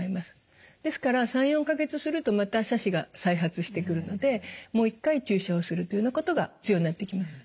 ですから３４か月するとまた斜視が再発してくるのでもう一回注射をするというようなことが必要になってきます。